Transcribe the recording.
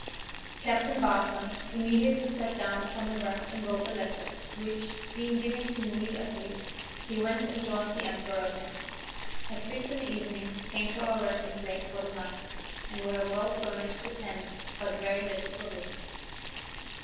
Captain Barton immediately sat down upon the grass and wrote a letter, which, being given to Muli Adriz, he went and joined the emperor again. At six in the evening came to our resting place for the night, and were well furnished with tents, but very little provisions.